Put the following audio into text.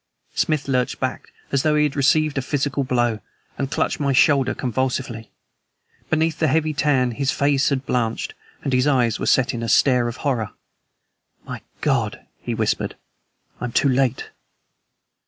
Smith lurched back as though he had received a physical blow, and clutched my shoulder convulsively. Beneath the heavy tan his face had blanched, and his eyes were set in a stare of horror. "My God!" he whispered. "I am too late!"